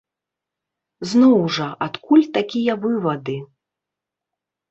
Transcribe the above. Зноў жа, адкуль такія вывады?